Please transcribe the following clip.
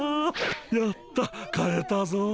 やった買えたぞ！